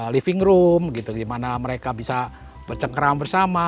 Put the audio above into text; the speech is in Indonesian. living room gitu di mana mereka bisa bercengkerang bersama